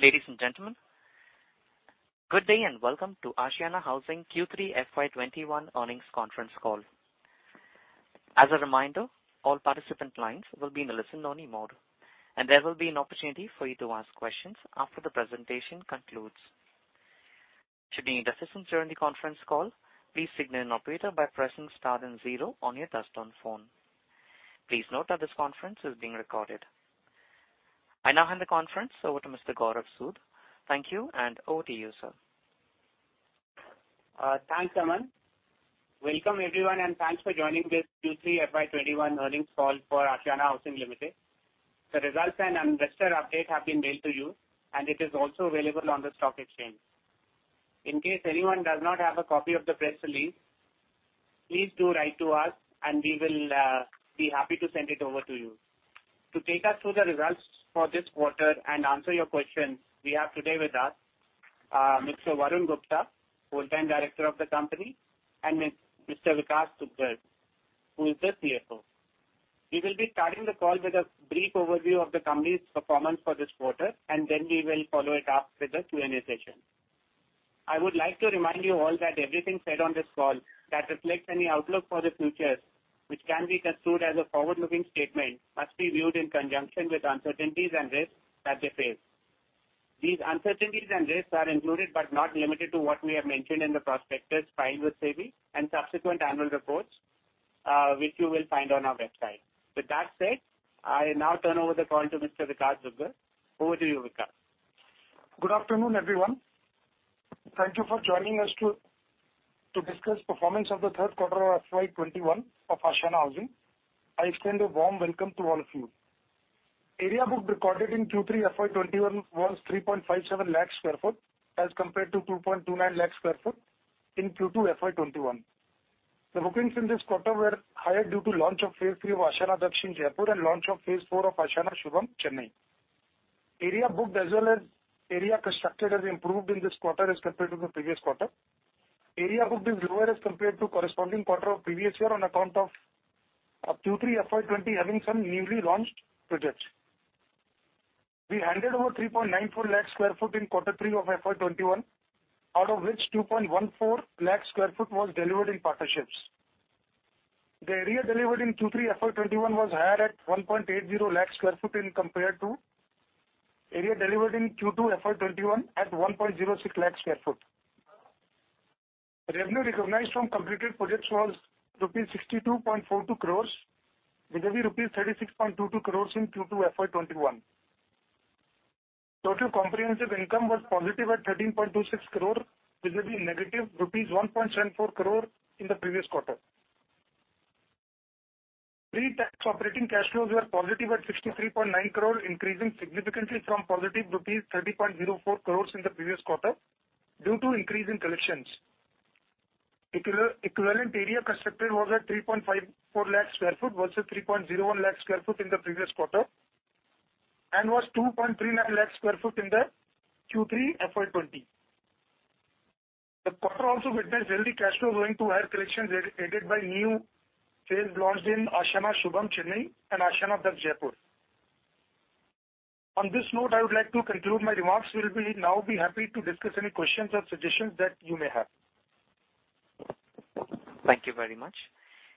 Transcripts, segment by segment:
Ladies and gentlemen, good day, and welcome to Ashiana Housing Q3 FY 2021 Earnings Conference Call. As a reminder, all participant lines will be in a listen-only mode, and there will be an opportunity for you to ask questions after the presentation concludes. Should you need assistance during the conference call, please signal an operator by pressing star and zero on your touchtone phone. Please note that this conference is being recorded. I now hand the conference over to Mr. Gaurav Sood. Thank you, and over to you, sir. Thanks, Aman. Welcome, everyone, and thanks for joining this Q3 FY 2021 earnings call for Ashiana Housing Limited. The results and investor update have been mailed to you, and it is also available on the stock exchange. In case anyone does not have a copy of the press release, please do write to us, and we will be happy to send it over to you. To take us through the results for this quarter and answer your questions, we have today with us Mr. Varun Gupta, Full-time Director of the company, and Mr. Vikash Dugar, who is the CFO. We will be starting the call with a brief overview of the company's performance for this quarter, and then we will follow it up with a Q&A session. I would like to remind you all that everything said on this call that reflects any outlook for the future, which can be construed as a forward-looking statement, must be viewed in conjunction with uncertainties and risks that we face. These uncertainties and risks are included, but not limited to, what we have mentioned in the prospectus filed with SEBI and subsequent annual reports, which you will find on our website. With that said, I now turn over the call to Mr. Vikash Dugar. Over to you, Vikash. Good afternoon, everyone. Thank you for joining us to discuss performance of the third quarter of FY 2021 of Ashiana Housing. I extend a warm welcome to all of you. Area booked recorded in Q3 FY 2021 was 3.57 lakh sq ft, as compared to 2.29 lakh sq ft in Q2 FY 2021. The bookings in this quarter were higher due to launch of phase III of Ashiana Dakshin, Jaipur and launch of phase IV of Ashiana Shubham, Chennai. Area booked, as well as area constructed, has improved in this quarter as compared to the previous quarter. Area booked is lower as compared to corresponding quarter of previous year on account of Q3 FY 2020 having some newly launched projects. We handed over 3.94 lakh sq ft in Q3 of FY 2021, out of which 2.14 lakh sq ft was delivered in partnerships. The area delivered in Q3 FY 2021 was higher at 1.80 lakh sq ft as compared to area delivered in Q2 FY 2021 at 1.06 lakh sq ft. Revenue recognized from completed projects was rupees 62.42 crore, vis-à-vis rupees 36.22 crore in Q2 FY 2021. Total comprehensive income was positive at 13.26 crore, vis-à-vis negative rupees 1.74 crore in the previous quarter. Pre-tax operating cash flows were positive at 63.9 crore, increasing significantly from positive rupees 30.04 crore in the previous quarter due to increase in collections. Equivalent area constructed was at 3.54 lakh sq ft versus 3.01 lakh sq ft in the previous quarter, and was 2.39 lakh sq ft in the Q3 FY 2020. The quarter also witnessed healthy cash flow owing to higher collections aided by new sales launched in Ashiana Shubham, Chennai, and Ashiana Dakshin, Jaipur. On this note, I would like to conclude my remarks. We'll now be happy to discuss any questions or suggestions that you may have. Thank you very much.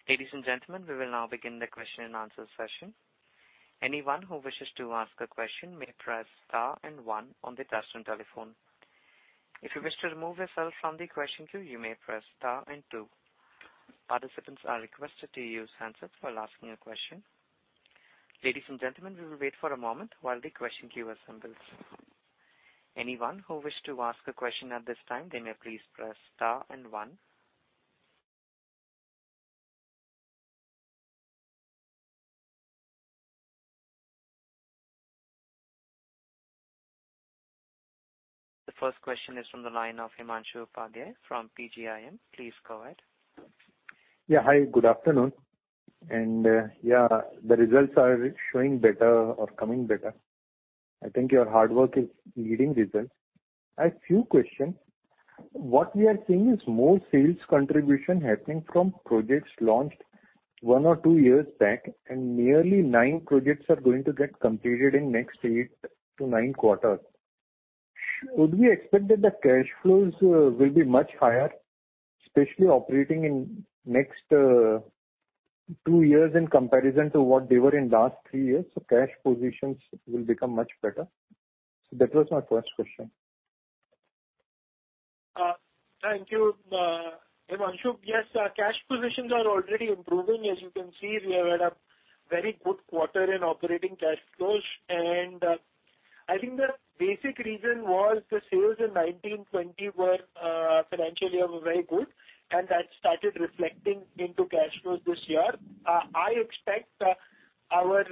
Ladies and gentlemen, we will now begin the question and answer session. Anyone who wishes to ask a question may press star and one on the touchtone telephone. If you wish to remove yourself from the question queue, you may press star and two. Participants are requested to use handsets while asking a question. Ladies and gentlemen, we will wait for a moment while the question queue assembles. Anyone who wish to ask a question at this time, they may please press star and one. The first question is from the line of Himanshu Upadhyay from PGIM. Please go ahead. Yeah. Hi, good afternoon. And, yeah, the results are showing better or coming better. I think your hard work is yielding results. I have few questions. What we are seeing is more sales contribution happening from projects launched one or two years back, and nearly nine projects are going to get completed in next eight to nine quarters. Would we expect that the cash flows will be much higher, especially operating in next two years, in comparison to what they were in last three years, so cash positions will become much better? So that was my first question. Thank you, Himanshu. Yes, our cash positions are already improving. As you can see, we have had a very good quarter in operating cash flows. And, I think the basic reason was the sales in 2019, 2020 were, financially are very good, and that started reflecting into cash flows this year. I expect, our,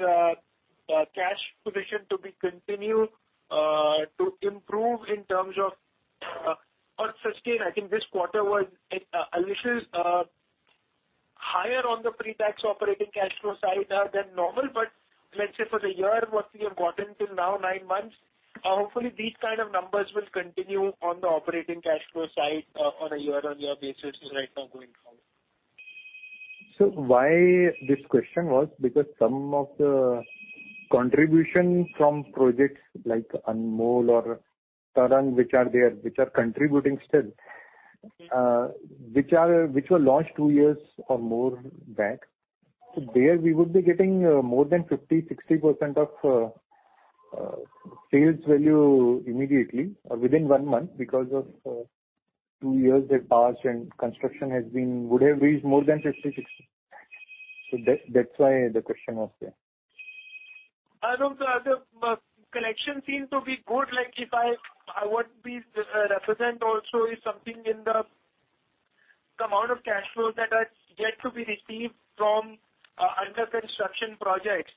cash position to be continued, to improve in terms of, or sustain. I think this quarter was a, a little, higher on the pre-tax operating cash flow side, than normal, but let's say for the year what we have gotten till now, nine months, hopefully these kind of numbers will continue on the operating cash flow side, on a year-on-year basis right now going forward. So why this question was, because some of the contribution from projects like Anmol or Tarang, which are there, which are contributing still, which were launched two years or more back. So there we would be getting more than 50%-60% of sales value immediately or within one month because of two years that passed and construction would have raised more than 50%-60%. So that, that's why the question was there. And from the other, collections seem to be good, like, if I would be, represent also is something in the, the amount of cash flows that are yet to be received from, under construction projects,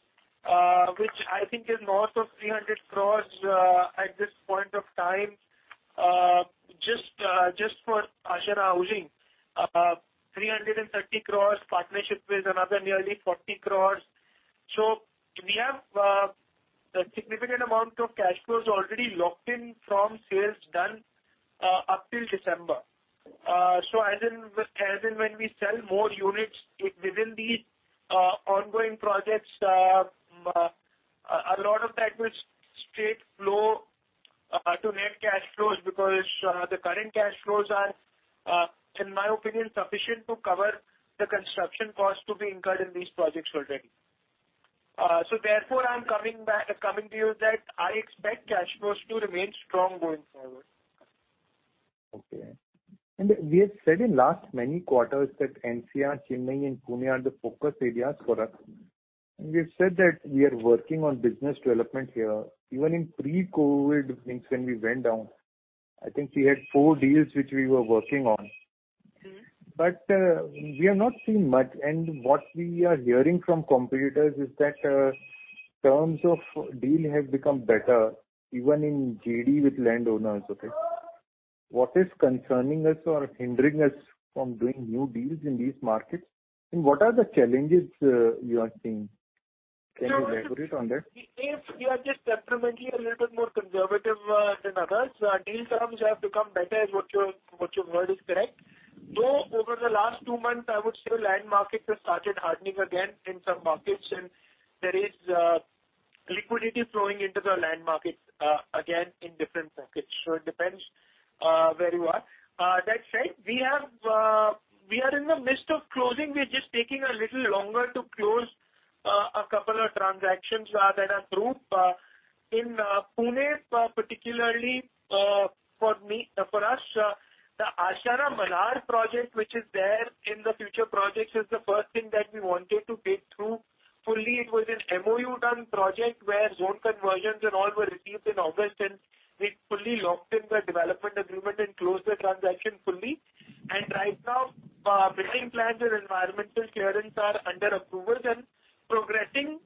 which I think is north of 300 crores, at this point of time. Just for Ashiana Housing, 330 crores, partnership with another nearly 40 crores. So we have, a significant amount of cash flows already locked in from sales done, up till December. So as in, as in, when we sell more units, it within these, ongoing projects, a lot of that will straight flow, to net cash flows, because, the current cash flows are, in my opinion, sufficient to cover the construction costs to be incurred in these projects already. So therefore, I'm coming to you that I expect cash flows to remain strong going forward. Okay. We have said in last many quarters that NCR, Chennai and Pune are the focus areas for us. We have said that we are working on business development here. Even in pre-COVID, I mean when we went down, I think we had four deals which we were working on. Mm-hmm. We have not seen much. What we are hearing from competitors is that, terms of deal have become better, even in JD with landowners, okay? What is concerning us or hindering us from doing new deals in these markets, and what are the challenges, you are seeing? Can you elaborate on that? If we are just experimentally a little bit more conservative than others, deal terms have become better is what you're, what you've heard is correct. Though over the last two months, I would say land markets have started hardening again in some markets, and there is liquidity flowing into the land market again in different markets. So it depends where you are. That said, we are in the midst of closing. We're just taking a little longer to close a couple of transactions that are through. In Pune, particularly, for us, the Ashiana Malhar project, which is there in the future projects, is the first thing that we wanted to take through. Fully, it was an MoU done project, where zone conversions and all were received in August, and we fully locked in the development agreement and closed the transaction fully. And right now, building plans and environmental clearance are under approval and progressing.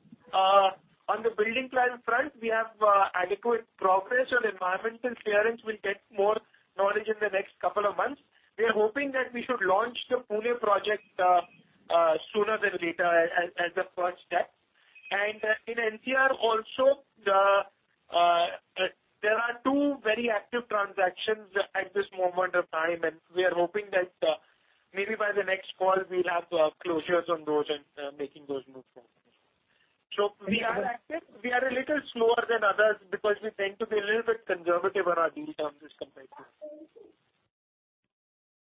On the building plan front, we have, adequate progress. On environmental clearance, we'll get more knowledge in the next couple of months. We are hoping that we should launch the Pune project, sooner than later as, as, as the first step. And in NCR also, there are two very active transactions at this moment of time, and we are hoping that, maybe by the next call, we'll have, closures on those and, making those moves forward. So we are active. We are a little slower than others because we tend to be a little bit conservative on our deal terms as compared to others.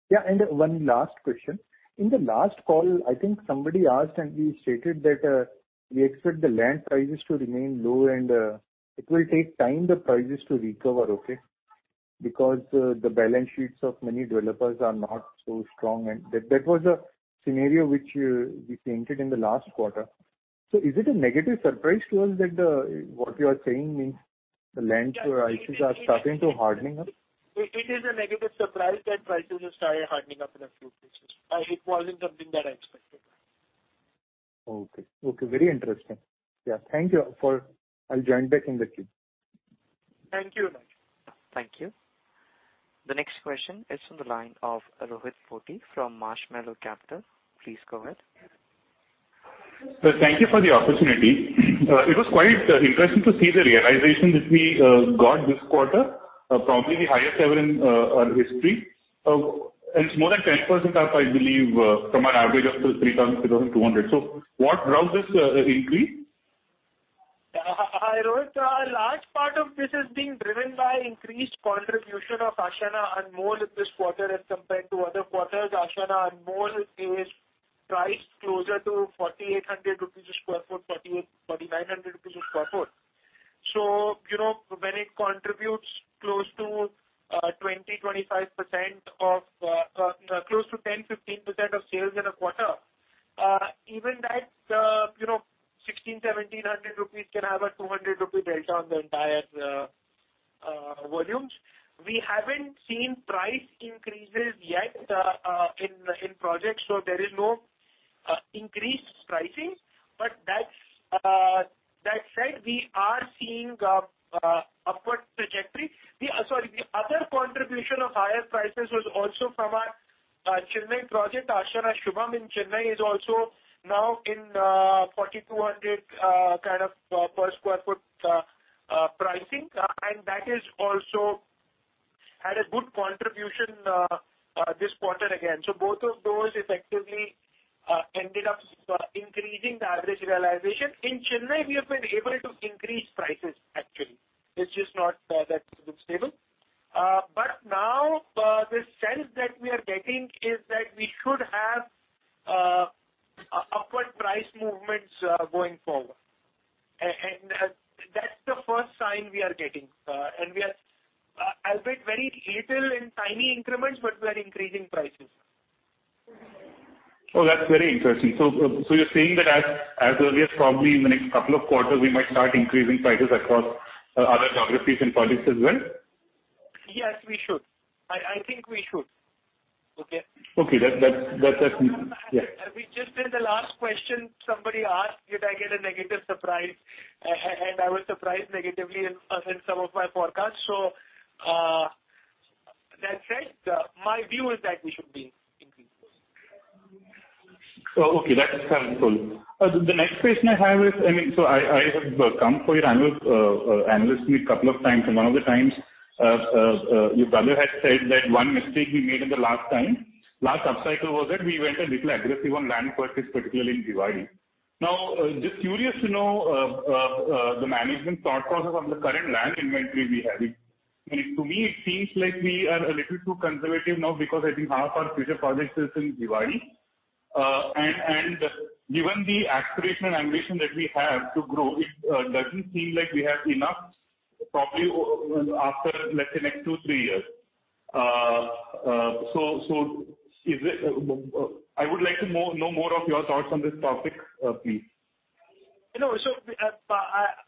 Yeah, and one last question. In the last call, I think somebody asked, and we stated that we expect the land prices to remain low, and it will take time the prices to recover, okay? Because the balance sheets of many developers are not so strong, and that was a scenario which we painted in the last quarter. So is it a negative surprise to us that what you are saying means the land prices are starting to hardening up? It is a negative surprise that prices have started hardening up in a few places. It wasn't something that I expected. Okay. Okay, very interesting. Yeah. Thank you for... I'll join back in the queue. Thank you. Thank you. The next question is from the line of Rohit Potti from Marshmallow Capital. Please go ahead. Thank you for the opportunity. It was quite interesting to see the realization that we got this quarter, probably the highest ever in our history. It's more than 10% up, I believe, from our average of 3,200. So what drove this increase? Hi, Rohit. A large part of this is being driven by increased contribution of Ashiana Anmol in this quarter as compared to other quarters. Ashiana Anmol is priced closer to 4,800 rupees per sq ft, 4,800-4,900 rupees per sq ft. So, you know, when it contributes close to 20%-25% of close to 10%-15% of sales in a quarter, even that, you know, 1,600-1,700 rupees can have a 200 rupee delta on the entire volumes. We haven't seen price increases yet in projects, so there is no increased pricing. But that's, that said, we are seeing upward trajectory. Sorry, the other contribution of higher prices was also from our Chennai project. Ashiana Shubham in Chennai is also now in 4,200, kind of, per sq ft pricing, and that also had a good contribution this quarter again. So both of those effectively ended up increasing the average realization. In Chennai, we have been able to increase prices, actually. It's just not that good stable. But now the sense that we are getting is that we should have upward price movements going forward. And that's the first sign we are getting, and we are, albeit very little in tiny increments, but we are increasing prices. Oh, that's very interesting. So you're saying that as earlier, probably in the next couple of quarters, we might start increasing prices across other geographies and projects as well? Yes, we should. I, I think we should. Okay? Okay, that's... Yeah. We just did the last question somebody asked, did I get a negative surprise? And I was surprised negatively in some of my forecasts. So, that said, my view is that we should be increasing. Oh, okay, that's helpful. The next question I have is, I mean, so I have come for your annual analyst meet couple of times, and one of the times, your brother had said that one mistake we made in the last time, last upcycle, was that we went a little aggressive on land purchase, particularly in Bhiwadi. Now, just curious to know, the management thought process on the current land inventory we have. I mean, to me, it seems like we are a little too conservative now because I think half our future projects is in Bhiwadi. And, given the aspiration and ambition that we have to grow, it doesn't seem like we have enough, probably, after, let's say, next two, three years. So, I would like to know more of your thoughts on this topic, please. No, so,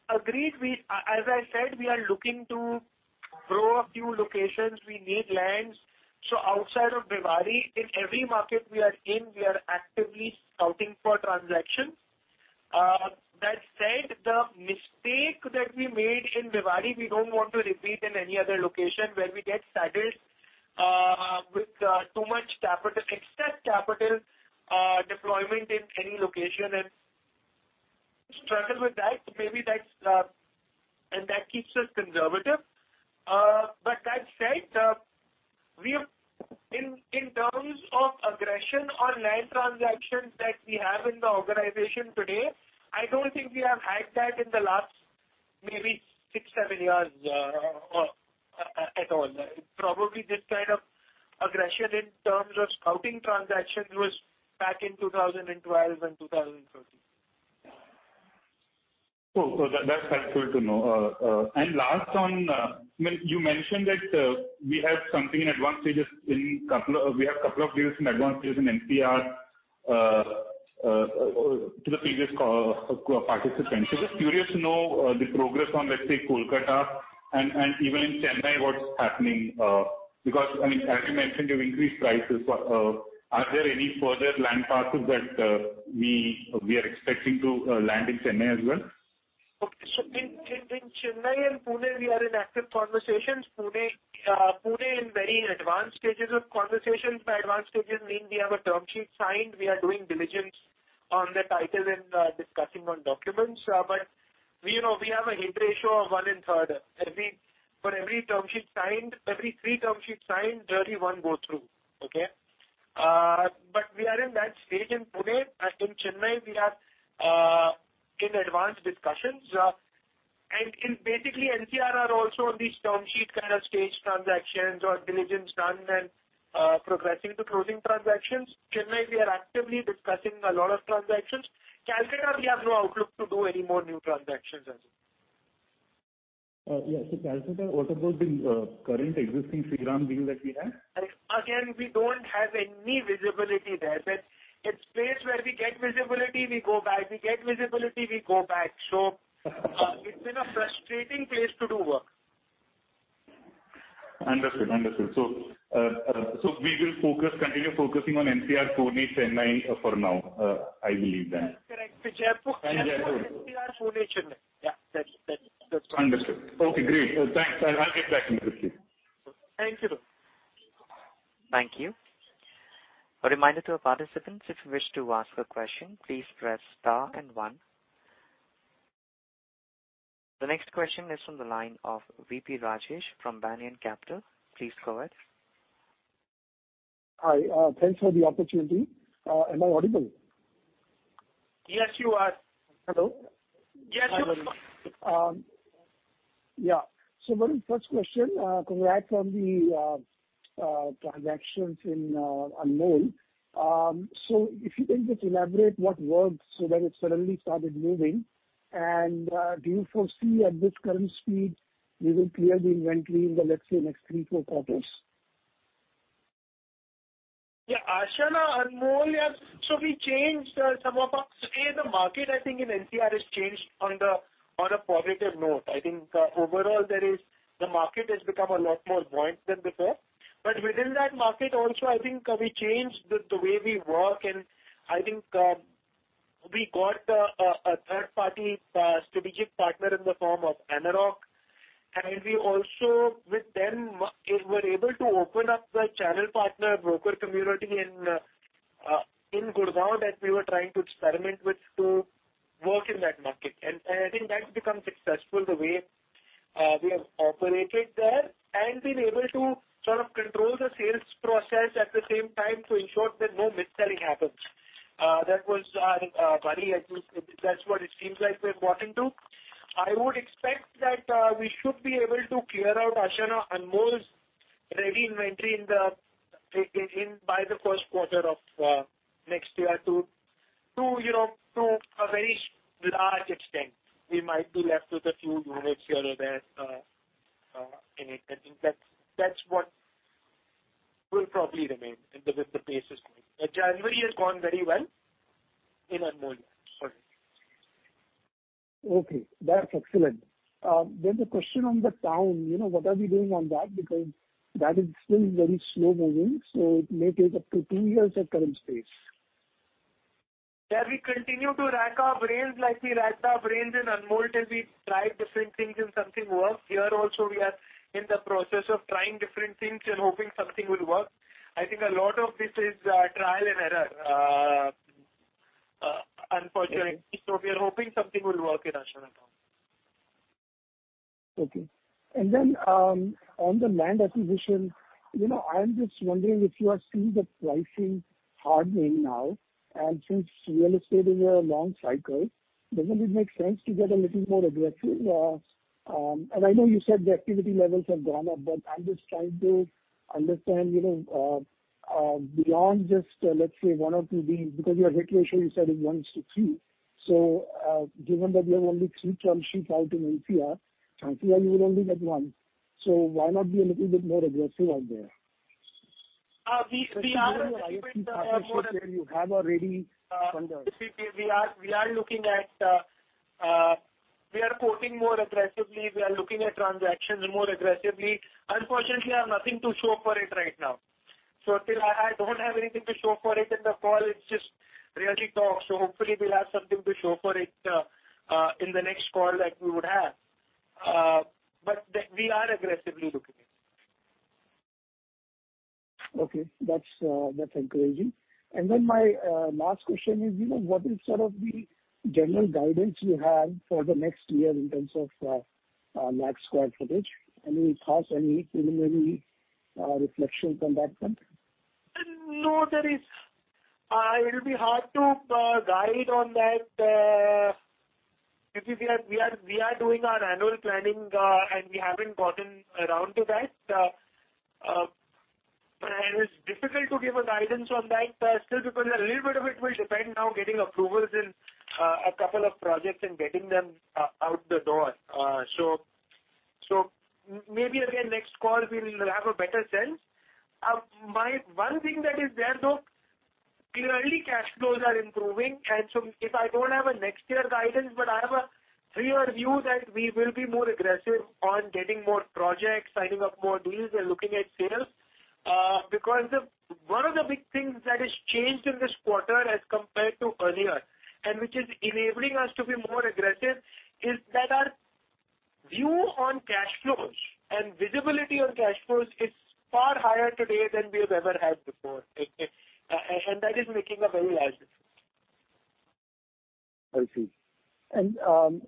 agreed. As I said, we are looking to grow a few locations. We need lands. So outside of Bhiwadi, in every market we are in, we are actively scouting for transactions. That said, the mistake that we made in Bhiwadi, we don't want to repeat in any other location, where we get saddled with too much capital, excess capital deployment in any location and struggle with that. Maybe that's, and that keeps us conservative. But that said, we have, in terms of aggression on land transactions that we have in the organization today, I don't think we have had that in the last maybe six, seven years at all. Probably, this kind of aggression in terms of scouting transaction was back in 2012 and 2013. Cool. So that's helpful to know. And last on, I mean, you mentioned that we have a couple of deals in advanced stages in NCR, to the previous caller, participant. So just curious to know the progress on, let's say, Kolkata, and even in Chennai, what's happening, because, I mean, as you mentioned, you've increased prices. Are there any further land parcels that we are expecting to land in Chennai as well? Okay. So in Chennai and Pune, we are in active conversations. Pune in very advanced stages of conversations. By advanced stages, mean we have a term sheet signed. We are doing diligence on the title and discussing on documents. But we know we have a hit ratio of one in three. For every term sheet signed, every three term sheets signed, only one go through. Okay? But we are in that stage in Pune. In Chennai, we are in advanced discussions. And in basically NCR are also on the term sheet kind of stage, transactions or diligence done and progressing to closing transactions. Chennai, we are actively discussing a lot of transactions. Kolkata, we have no outlook to do any more new transactions as of yet. Yes, so Kolkata, what about the current existing Shriram deal that we have? Again, we don't have any visibility there. That it's place where we get visibility, we go back. We get visibility, we go back. So, it's been a frustrating place to do work. Understood. Understood. So, so we will focus, continue focusing on NCR, Pune, Chennai for now, I believe then. Correct. Jaipur- And Jaipur. NCR, Pune, Chennai. Yeah, that's, that's, that's- Understood. Okay, great. Thanks, and I'll get back in touch with you. Thank you. Thank you. A reminder to our participants, if you wish to ask a question, please press star and one. The next question is from the line of V.P. Rajesh from Banyan Capital. Please go ahead. Hi, thanks for the opportunity. Am I audible? Yes, you are. Hello? Yes, you are. Yeah. So very first question, congrats on the transactions in Anmol. So if you can just elaborate what worked so that it suddenly started moving. And, do you foresee at this current speed, we will clear the inventory in the, let's say, next three, four quarters? Yeah, Ashiana Anmol, yeah. So we changed some of our, today, the market, I think, in NCR has changed on the on a positive note. I think, overall there is the market has become a lot more buoyant than before. But within that market also, I think, we changed the the way we work, and I think, we got a a third-party strategic partner in the form of ANAROCK. And we also, with them, were able to open up the channel partner broker community in in Gurgaon that we were trying to experiment with to work in that market. And, and I think that's become successful the way, we have operated there, and been able to sort of control the sales process at the same time to ensure that no mis-selling happens. That was our worry, I think. That's what it seems like we've gotten to. I would expect that we should be able to clear out Ashiana Anmol's ready inventory by the first quarter of next year, you know, to a very large extent. We might be left with a few units here or there in it. I think that's what will probably remain with the pace is going. But January has gone very well in Anmol for us. Okay, that's excellent. Then the question on the town, you know, what are we doing on that? Because that is still very slow moving, so it may take up to two years at current pace. Yeah, we continue to rack our brains like we racked our brains in Anmol, till we tried different things and something worked. Here also, we are in the process of trying different things and hoping something will work. I think a lot of this is trial and error, unfortunately. So we are hoping something will work in Ashiana Town. Okay. On the land acquisition, you know, I'm just wondering if you are seeing the pricing hardening now, and since real estate is a long cycle, doesn't it make sense to get a little more aggressive? I know you said the activity levels have gone up, but I'm just trying to understand, you know, beyond just, let's say, one or two deals, because your ratio, you said, is one to three. Given that you have only three townships out in India, and you will only get one, why not be a little bit more aggressive out there? We are looking at more- You have already done that. We are looking at, we are quoting more aggressively. We are looking at transactions more aggressively. Unfortunately, I have nothing to show for it right now. So till I don't have anything to show for it in the call, it's just really talk. So hopefully we'll have something to show for it, in the next call that we would have. But we are aggressively looking at it. Okay, that's, that's encouraging. And then my last question is: you know, what is sort of the general guidance you have for the next year in terms of net square footage? Any thoughts, any preliminary reflections on that front? No, there is, it'll be hard to guide on that, because we are, we are, we are doing our annual planning, and we haven't gotten around to that. But it's difficult to give a guidance on that, still, because a little bit of it will depend now getting approvals in a couple of projects and getting them out the door. So maybe again, next call, we'll have a better sense. One thing that is there, though, clearly cash flows are improving. And so if I don't have a next year guidance, but I have a clearer view that we will be more aggressive on getting more projects, signing up more deals, and looking at sales. Because the one of the big things that has changed in this quarter as compared to earlier, and which is enabling us to be more aggressive, is that our view on cash flows and visibility on cash flows is far higher today than we have ever had before. And that is making a very large difference. I see. And,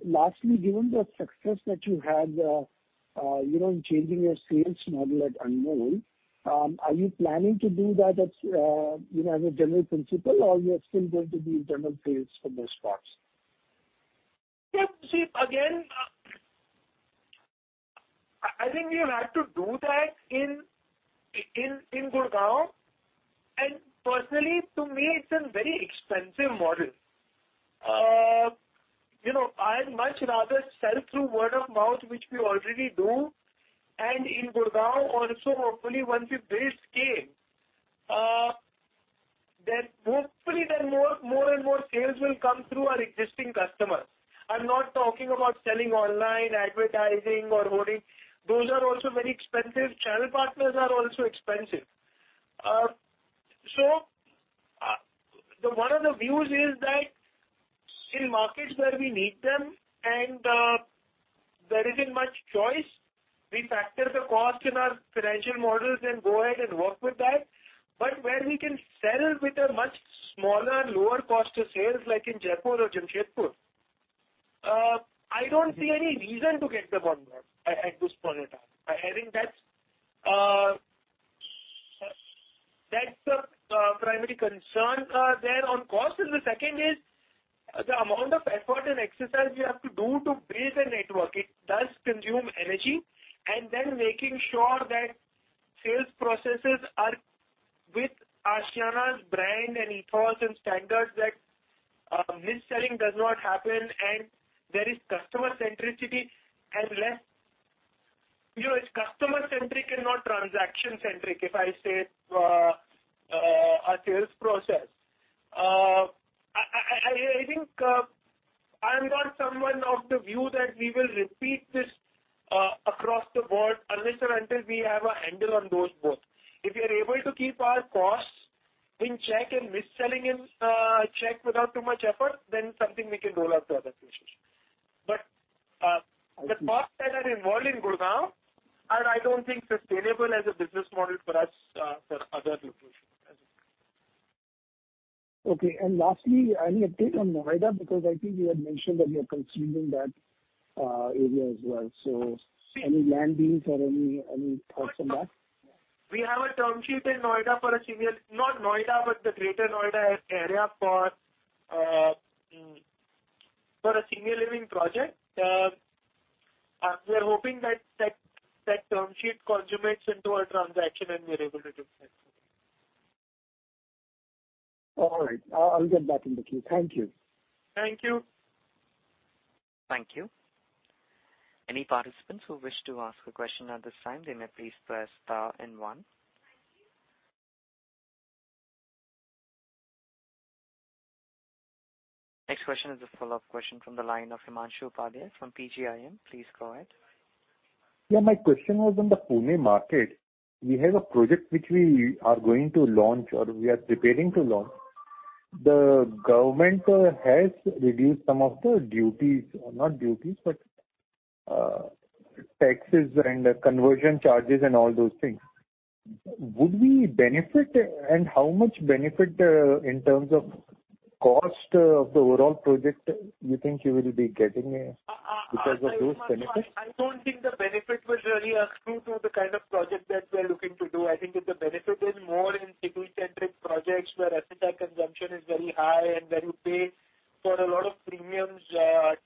lastly, given the success that you had, you know, in changing your sales model at Anmol, are you planning to do that as, you know, as a general principle, or you are still going to be internal sales for those spots? Yeah. See, again, I think we've had to do that in Gurgaon, and personally, to me, it's a very expensive model. You know, I'd much rather sell through word of mouth, which we already do. And in Gurgaon also, hopefully, once we build scale, then hopefully, then more and more sales will come through our existing customers. I'm not talking about selling online, advertising or holding. Those are also very expensive. Channel partners are also expensive. So, one of the views is that in markets where we need them and there isn't much choice, we factor the cost in our financial models and go ahead and work with that. But where we can sell with a much smaller and lower cost of sales, like in Jaipur or Jamshedpur, I don't see any reason to get on board at this point in time. I think that's the primary concern there on cost. And the second is the amount of effort and exercise you have to do to build a network. It does consume energy. And then making sure that sales processes are with Ashiana's brand and ethos and standards, that mis-selling does not happen, and there is customer centricity and less. You know, it's customer centric and not transaction centric, if I say a sales process. I think I'm not someone of the view that we will repeat this across the board, unless or until we have a handle on those both. If we are able to keep our costs in check and mis-selling in check without too much effort, then something we can roll out to other associations, but, the costs that are involved in Gurgaon, and I don't think sustainable as a business model for us, for other locations. Okay. And lastly, I need a take on Noida, because I think you had mentioned that area as well. So any land deals or any thoughts on that? We have a term sheet in Noida for a senior, not Noida, but the Greater Noida area, for a senior living project. And we're hoping that that term sheet consummates into a transaction, and we're able to do that. All right. I'll get back in the queue. Thank you. Thank you. Thank you. Any participants who wish to ask a question at this time, they may please press star and one. Next question is a follow-up question from the line of Himanshu Upadhyay from PGIM. Please go ahead. Yeah, my question was on the Pune market. We have a project which we are going to launch or we are preparing to launch. The government has reduced some of the duties, not duties, but taxes and the conversion charges and all those things. Would we benefit? And how much benefit in terms of cost of the overall project you think you will be getting because of those benefits? I, I don't think the benefit will really accrue to the kind of project that we're looking to do. I think that the benefit is more in city-centric projects, where asset consumption is very high and very big. For a lot of premiums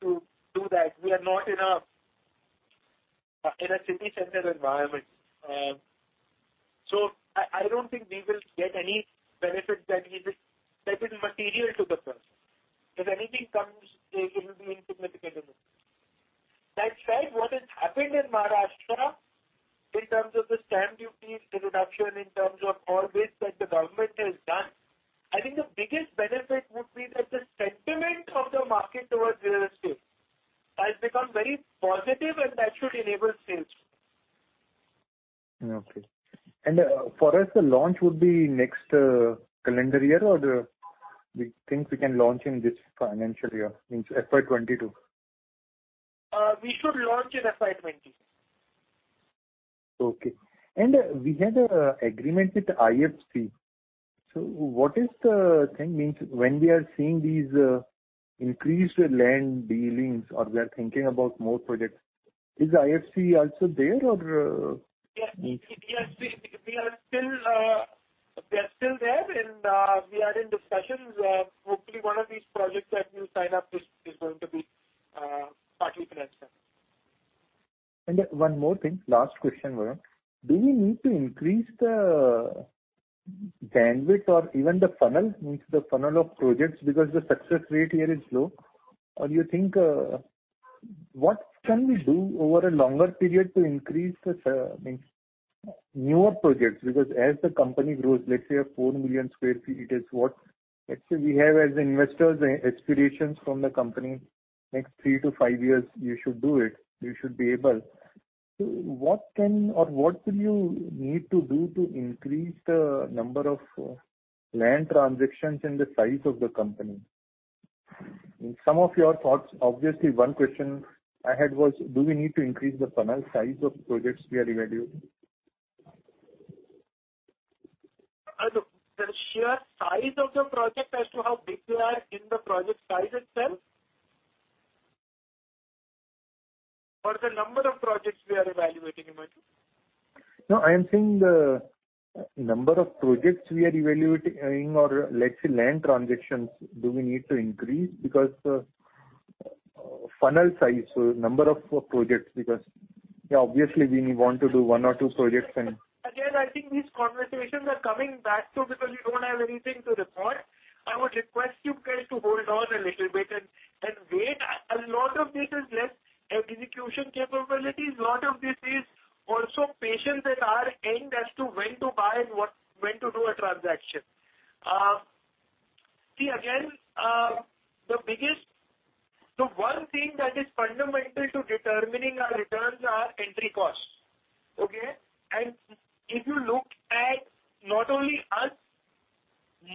to do that, we are not in a, in a city-centered environment. So I, I don't think we will get any benefit that is, that is material to the project. If anything comes, it, it will be insignificant amount. That said, what has happened in Maharashtra in terms of the stamp duty, the reduction in terms of corpus that the government has done, I think the biggest benefit would be that the sentiment of the market towards real estate has become very positive, and that should enable sales. Okay. And, for us, the launch would be next calendar year, or we think we can launch in this financial year, means FY 2022? We should launch in FY 2022. Okay. And, we had an agreement with IFC. So what is the thing means when we are seeing these increased land dealings or we are thinking about more projects, is IFC also there or? Yes, yes, we are still. They are still there and we are in discussions. Hopefully, one of these projects that we sign up is, is going to be partly financed them. And, one more thing, last question, Varun. Do we need to increase the bandwidth or even the funnel, means the funnel of projects, because the success rate here is low? Or you think, what can we do over a longer period to increase the means, newer projects? Because as the company grows, let's say 4 million sq ft, it is what, let's say we have as investors expectations from the company, next 3-5 years, you should do it. You should be able. So what can or what will you need to do to increase the number of land transactions and the size of the company? Some of your thoughts. Obviously, one question I had was, do we need to increase the funnel size of projects we are evaluating? Look, the sheer size of the project as to how big we are in the project size itself? Or the number of projects we are evaluating, you might mean? No, I am saying the number of projects we are evaluating or let's say, land transactions, do we need to increase? Because, funnel size, so number of projects, because, yeah, obviously, we want to do one or two projects and- Again, I think these conversations are coming back to because we don't have anything to report. I would request you guys to hold on a little bit and, and wait. A lot of this is less execution capabilities. A lot of this is also patience at our end as to when to buy and what, when to do a transaction. See, again, the biggest, the one thing that is fundamental to determining our returns are entry costs, okay? And if you look at not only us,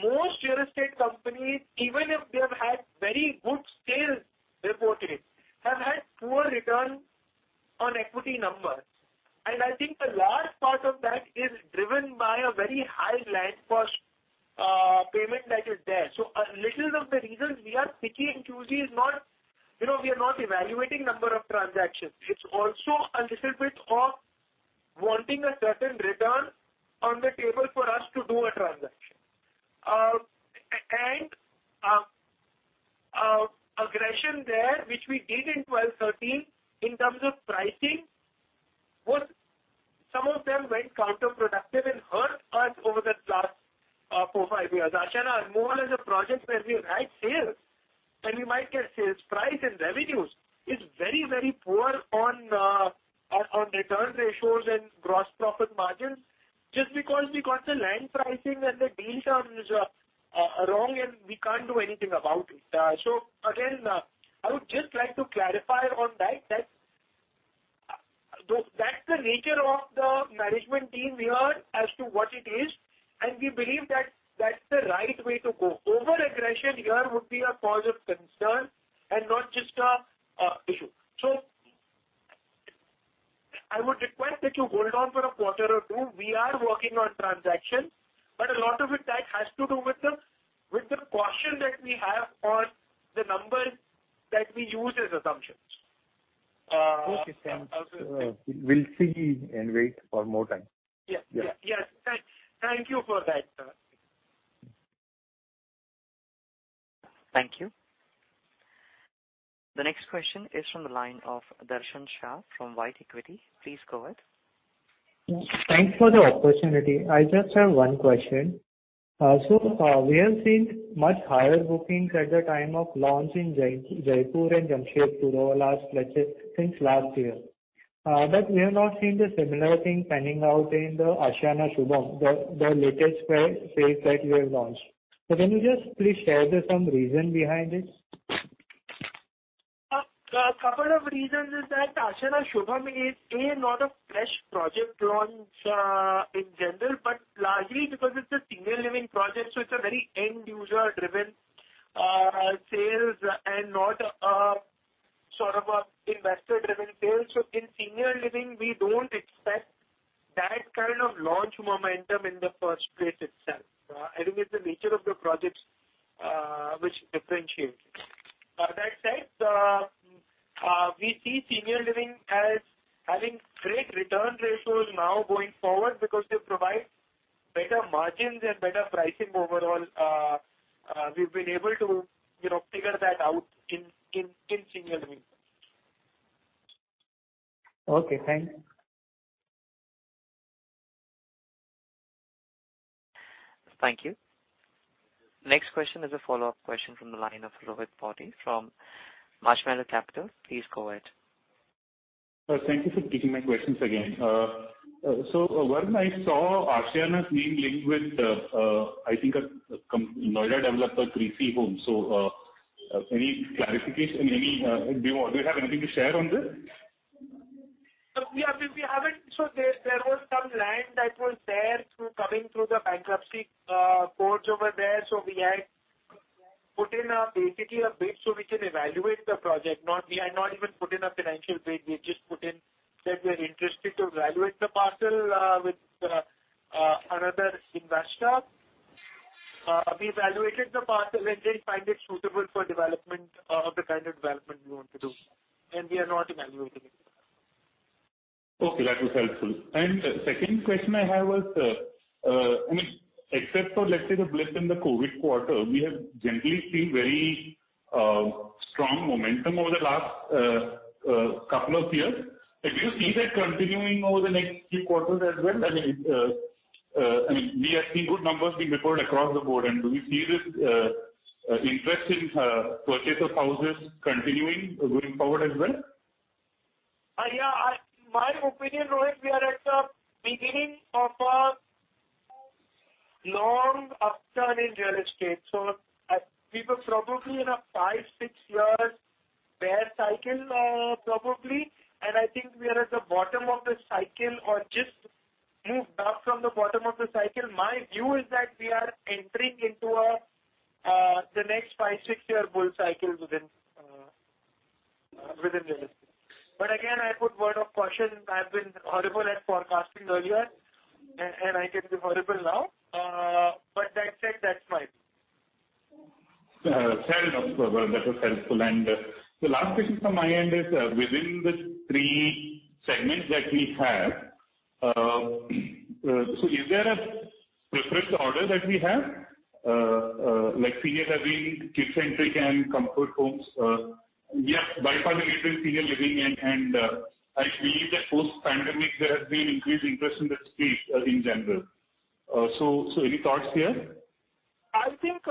most real estate companies, even if they have had very good sales reported, have had poor return on equity numbers. And I think a large part of that is driven by a very high land cost payment that is there. So a little of the reasons we are picky and choosy is not, you know, we are not evaluating number of transactions. It's also a little bit of wanting a certain return on the table for us to do a transaction. And aggression there, which we did in 2012, 2013, in terms of pricing, was some of them went counterproductive and hurt us over the last 4, 5 years. Ashiana is more or less a project where we had sales, and we might get sales. Price and revenues is very, very poor on return ratios and gross profit margins, just because we got the land pricing and the deal terms wrong, and we can't do anything about it. So again, I would just like to clarify on that, that. So that's the nature of the management team here as to what it is, and we believe that that's the right way to go. Over-aggression here would be a cause of concern and not just a issue. So I would request that you hold on for a quarter or two. We are working on transactions, but a lot of it that has to do with the, with the caution that we have on the numbers that we use as assumptions. Okay, thanks. We'll see and wait for more time. Yes. Yeah. Yes. Thank you for that, sir. Thank you. The next question is from the line of Darshan Shah from White Equity. Please go ahead. Thanks for the opportunity. I just have one question. So, we have seen much higher bookings at the time of launch in Jaipur and Jamshedpur over last, let's say, since last year. But we have not seen the similar thing panning out in the Ashiana Shubham, the latest phase that you have launched. So can you just please share some reason behind it? A couple of reasons is that Ashiana Shubham is, A, not a fresh project launch, in general, but largely because it's a senior living project, so it's a very end-user-driven, sales and not a, sort of, a investor-driven sales. So in senior living, we don't expect that kind of launch momentum in the first place itself. I think it's the nature of the projects, which differentiates. That said, we see senior living as having great return ratios now going forward because they provide better margins and better pricing overall. We've been able to, you know, figure that out in senior living. Okay, thanks. Thank you. Next question is a follow-up question from the line of Rohit Potti from Marshmallow Capital. Please go ahead. Thank you for taking my questions again. Varun, I saw Ashiana's name linked with, I think a Noida developer, Krrish Group. Any clarification, any. Do you already have anything to share on this? So there was some land that was there through coming through the bankruptcy courts over there. So we had put in basically a bid so we can evaluate the project. We had not even put in a financial bid. We had just put in that we are interested to evaluate the parcel with another investor. We evaluated the parcel and didn't find it suitable for development, the kind of development we want to do, and we are not evaluating it. Okay, that was helpful. And second question I have was, I mean, except for, let's say, the blip in the COVID quarter, we have generally seen very strong momentum over the last couple of years. Do you see that continuing over the next few quarters as well? I mean, we have seen good numbers being reported across the board, and do we see this interest in purchase of houses continuing going forward as well? Yeah, my opinion, Rohit, we are at the beginning of a long upturn in real estate. So, we were probably in a 5-6 years bear cycle, probably, and I think we are at the bottom of the cycle or just moved up from the bottom of the cycle. My view is that we are entering into the next 5-6-year bull cycle within real estate. But again, I put word of caution. I've been horrible at forecasting earlier, and I can be horrible now. But that said, that's my view. Fair enough, that was helpful. And the last question from my end is, within the three segments that we have, so is there a preferred order that we have? Like senior living, kid-centric, and comfort homes. Yes, by far the little senior living and, and, I believe that post-pandemic there has been increased interest in that space, in general. So, any thoughts here? I think,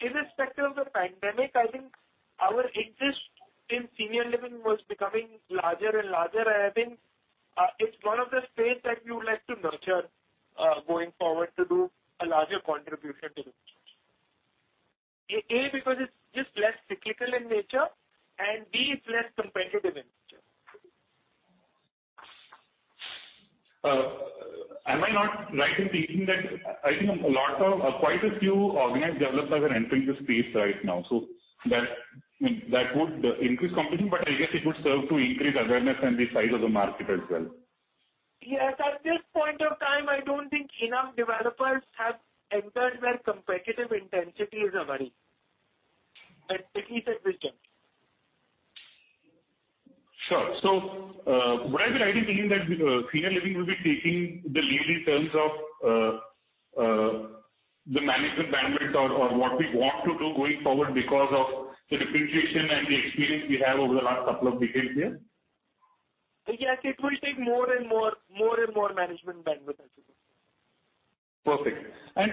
irrespective of the pandemic, I think our interest in senior living was becoming larger and larger. I think, it's one of the space that we would like to nurture, going forward to do a larger contribution to the future. A, because it's just less cyclical in nature, and B, it's less competitive in nature. Am I not right in thinking that I think a lot of, quite a few organized developers are entering this space right now. So that, I mean, that would increase competition, but I guess it would serve to increase awareness and the size of the market as well. Yes, at this point of time, I don't think enough developers have entered where competitive intensity is a worry, at least at this juncture. Sure. So, would I be right in thinking that, the management bandwidth or what we want to do going forward because of the differentiation and the experience we have over the last couple of decades here? Yes, it will take more and more, more and more management bandwidth as well. Perfect. And,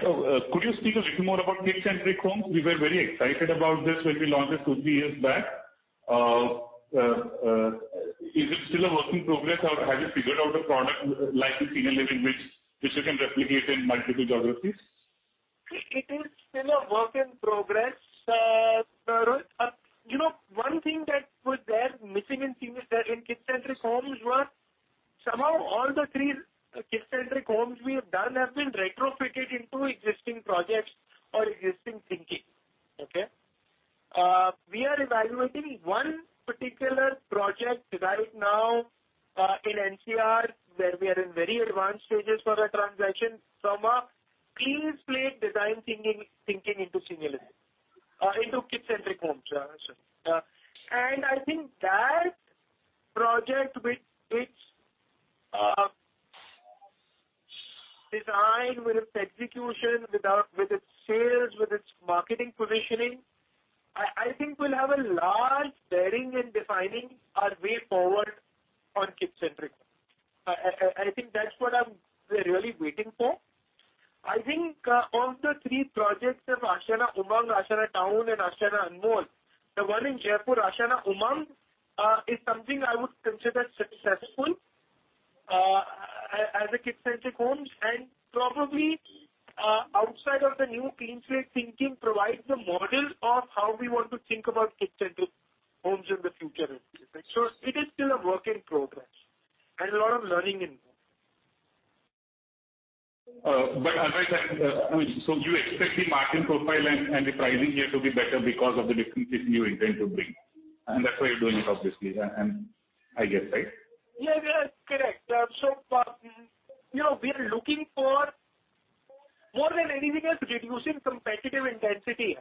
could you speak a little more about kid-centric homes? We were very excited about this when we launched it 2, 3 years back. Is it still a work in progress, or have you figured out a product like in senior living, which you can replicate in multiple geographies? It is still a work in progress, you know, one thing that was there missing in senior, in kid-centric homes was somehow all the three kid-centric homes we have done have been retrofitted into existing projects or existing thinking. Okay? We are evaluating one particular project right now, in NCR, where we are in very advanced stages for the transaction, from a clean slate design thinking into senior living, into kid-centric homes. And I think that project, with its design, with its execution, with its sales, with its marketing positioning, I think will have a large bearing in defining our way forward on kid-centric. I think that's what I'm really waiting for. I think, of the three projects of Ashiana Umang, Ashiana Town, and Ashiana Anmol, the one in Jaipur, Ashiana Umang, is something I would consider successful, as a kid-centric homes, and probably, outside of the new clean slate thinking, provides a model of how we want to think about kid-centric homes in the future. So it is still a work in progress and a lot of learning involved. But as I said, so you expect the margin profile and, and the pricing here to be better because of the differences you intend to bring, and that's why you're doing it, obviously, and I guess, right? Yeah, yeah, correct. So, you know, we are looking for more than anything else, reducing competitive intensity.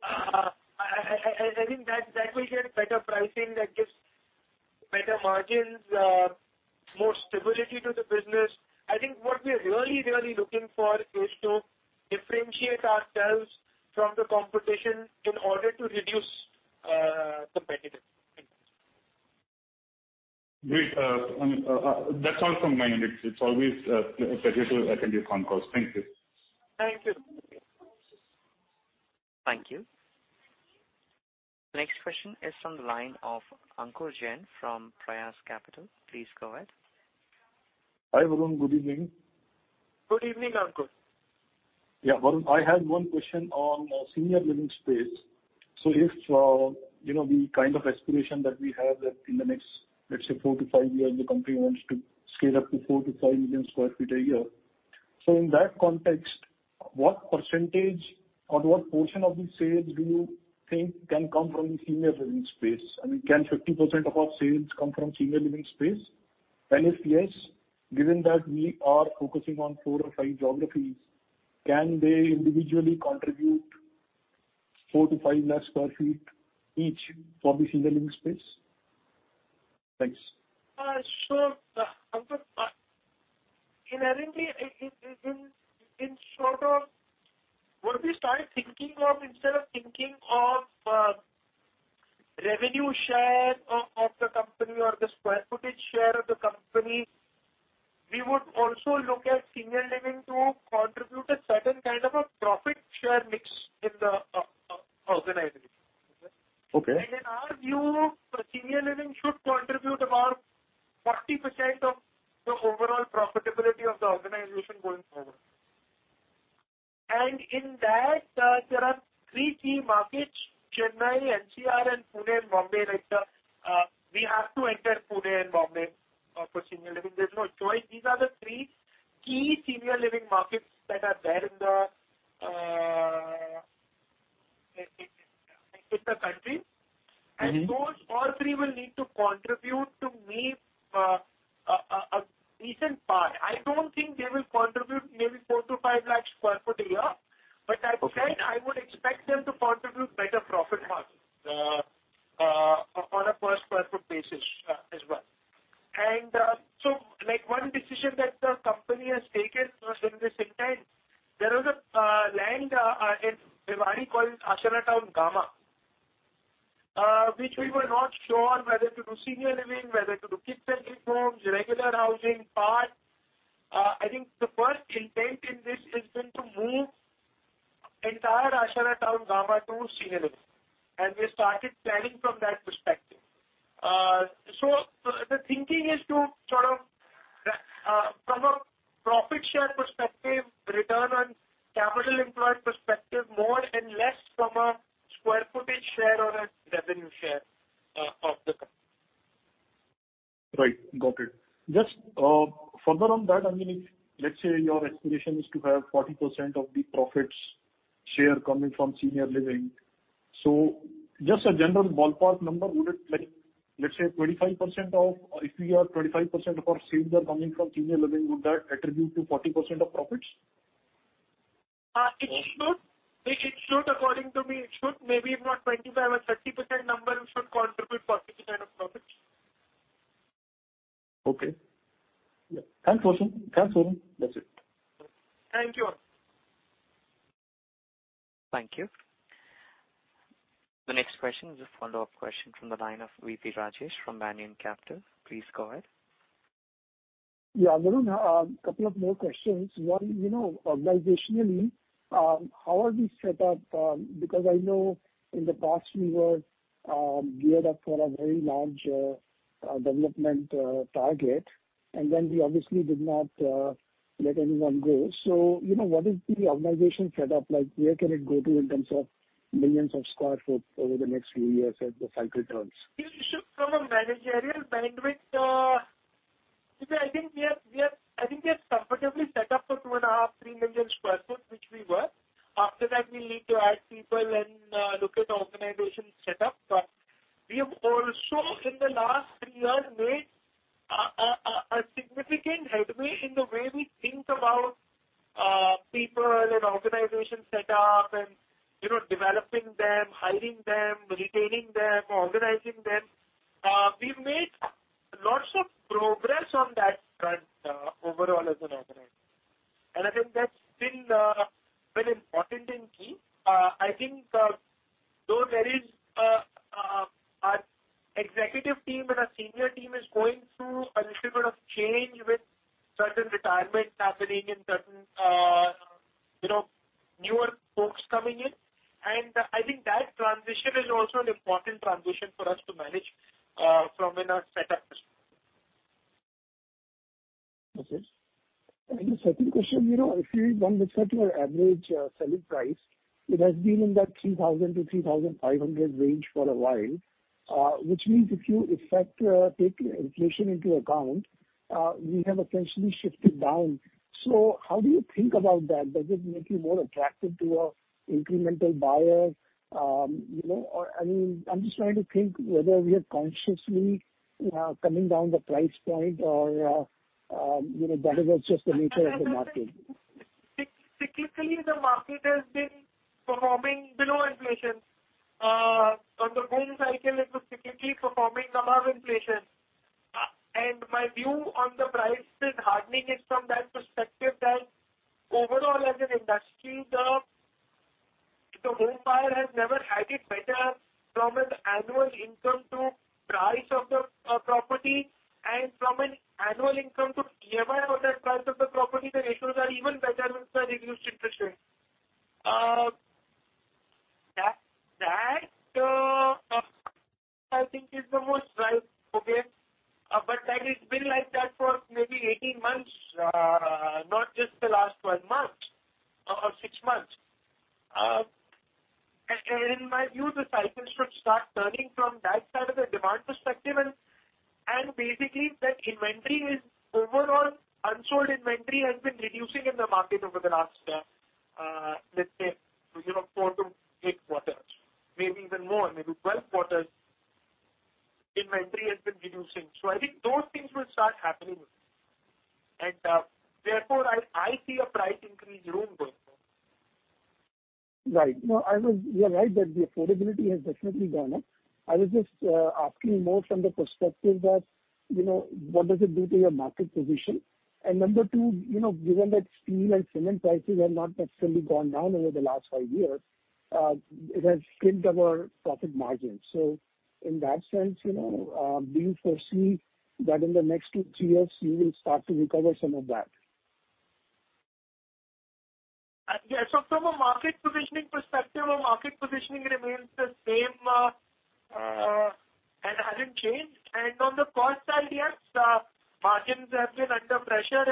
I think that will get better pricing, that gives better margins, more stability to the business. I think what we are really, really looking for is to differentiate ourselves from the competition in order to reduce competitive intensity. Great. That's all from my end. It's always a pleasure to attend your concall. Thank you. Thank you. Thank you. Next question is from the line of Ankur Jain from Prayas Capital. Please go ahead. Hi, Varun. Good evening. Good evening, Ankur. Yeah, Varun, I had one question on senior living space. So if you know, the kind of aspiration that we have that in the next, let's say, 4-5 years, the company wants to scale up to 4 million-5 million sq ft a year. So in that context, what percentage or what portion of the sales do you think can come from the senior living space? I mean, can 50% of our sales come from senior living space? And if yes, given that we are focusing on 4-5 geographies, can they individually contribute 4 lakh-5 lakh sq ft each for the senior living space? Thanks. Sure. Ankur, inherently, in short of what we started thinking of, instead of thinking of, revenue share of the company or the square footage share of the company, we would also look at senior living to contribute a certain kind of a profit share mix in the organization. Okay. In our view, senior living should contribute about 40% of the overall profitability of the organization going forward. In that, there are three key markets, Chennai, NCR, and Pune, and Bombay. Like, we have to enter Pune and Bombay, for senior living. There's no choice. These are the three key senior living markets that are there in the, in the country. Mm-hmm. Those all three will need to contribute to meet a decent part. I don't think they will contribute maybe 4 lakh-5 lakh sq ft a year. Okay. But I've said I would expect them to contribute better profit margin, on a per square foot basis, as well. And, so, like, one decision that the company has taken in the same time, there was a land in Bhiwadi called Ashiana Town Gamma, which we were not sure whether to do senior living, whether to do kid-centric homes, regular housing part. I think the first intent in this has been to move entire Ashiana Town Gamma to senior living, and we started planning from that perspective. So the thinking is to sort of, from a profit share perspective, return on capital employed perspective, more and less from a square footage share or a revenue share, of the company. Right. Got it. Just further on that, I mean, if, let's say, your aspiration is to have 40% of the profits share coming from senior living, so just a general ballpark number, would it like, let's say 25% of, if we are 25% of our sales are coming from senior living, would that attribute to 40% of profits? It should. It should, according to me, it should. Maybe if not 25%, a 30% number should contribute 40% of profits. Okay. Thanks, Varun. Thanks, Varun. That's it. Thank you, Ankur. Thank you. The next question is a follow-up question from the line of V.P. Rajesh from Banyan Capital. Please go ahead. Yeah, Varun, a couple of more questions. One, you know, organizationally, how are we set up? Because I know in the past you were geared up for a very large development target. And then we obviously did not let anyone go. So, you know, what is the organization set up like? Where can it go to in terms of millions of square foot over the next few years as the cycle turns? We should from a managerial bandwidth, because I think we are comfortably set up for 2.5 million-3 million sq ft, which we were. After that, we'll need to add people and performing below inflation. On the boom cycle, it was cyclically performing above inflation. And my view on the prices hardening is from that perspective, that overall as an industry, the home buyer has never had it better from an annual income to price of the, property, and from an annual income to EMI on that price of the property, the ratios are even better with the reduced interest rates. That, I think is the most right. Okay? But then it's been like that for maybe 18 months, not just the last 12 months or six months. In my view, the cycle should start turning from that side of the demand perspective, and, and basically, that inventory is overall, unsold inventory has been reducing in the market over the last, let's say, you know, 4-8 quarters, maybe even more, maybe 12 quarters, inventory has been reducing. So I think those things will start happening. And, therefore, I see a price increase room going on. Right. No, I was, you are right that the affordability has definitely gone up. I was just asking more from the perspective that, you know, what does it do to your market position? And number two, you know, given that steel and cement prices have not necessarily gone down over the last five years, it has pinched our profit margins. So in that sense, you know, do you foresee that in the next two, three years, you will start to recover some of that? Yes. From a market positioning perspective, our market positioning remains the same, and hasn't changed. From the cost side, yes, margins have been under pressure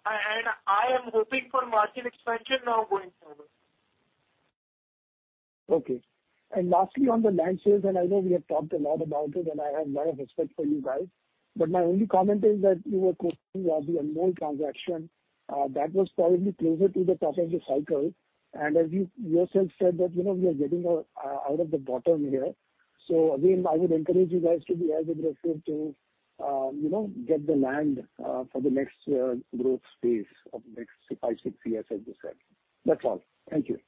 and I am hoping for margin expansion now going forward. Okay. And lastly, on the land sales, and I know we have talked a lot about it, and I have a lot of respect for you guys, but my only comment is that you were quoting the annual transaction, that was probably closer to the top of the cycle. And as you yourself said, that, you know, we are getting, out of the bottom here. So again, I would encourage you guys to be aggressive to, you know, get the land, for the next, growth phase of the next five, six years as you said. That's all. Thank you.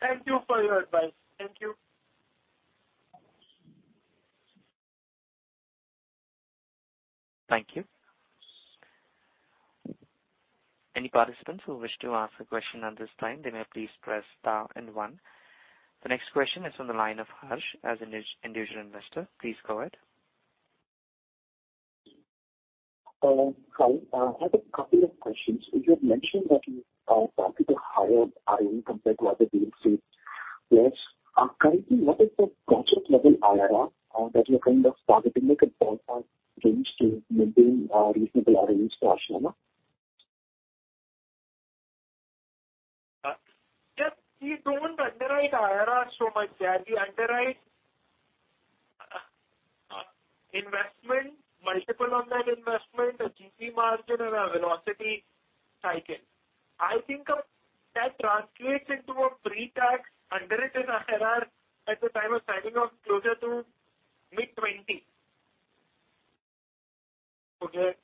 Thank you for your advice. Thank you. Thank you. Any participants who wish to ask a question at this time, they may please press star and one. The next question is on the line of Harsh Beria, an individual investor. Please go ahead. Hello. Hi, I have a couple of questions. You had mentioned that you are targeting higher ROE compared to other developers. Yes. Currently, what is the project level IRR that you're kind of targeting, like a ballpark range to maintain a reasonable IRR installation? Just we don't underwrite IRR so much there. We underwrite investment multiple on that investment, the GP margin, and our velocity cycle. I think that translates into a pre-tax underwritten IRR at the time of signing off closer to mid-20%. Okay?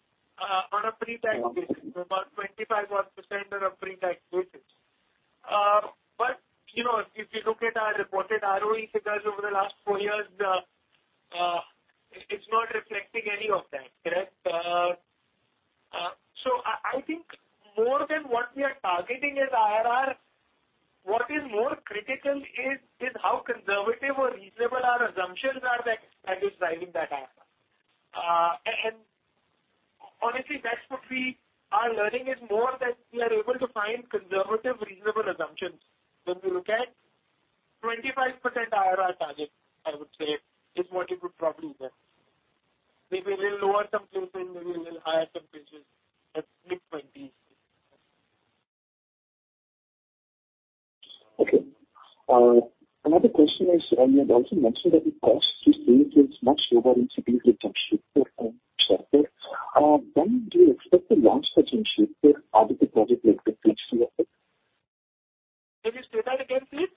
On a pre-tax basis, about 25%-odd on a pre-tax basis. But, you know, if you look at our reported ROE figures over the last four years, it's not reflecting any of that, correct? So I, I think more than what we are targeting is IRR. What is more critical is how conservative or reasonable our assumptions are that is driving that IRR. And honestly, that's what we are learning is more that we are able to find conservative, reasonable assumptions when we look at-... 25% IRR target, I would say, is what it would probably be. Maybe a little lower someplace and maybe a little higher some places, but mid-point be. Okay, another question is, you had also mentioned that the cost of sales is much lower in Jamshedpur, sir. When do you expect to launch that in Jamshedpur other project like the Phase two of it? Can you say that again, please?